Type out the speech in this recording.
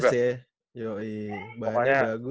lima belas ya yoi bahannya bagus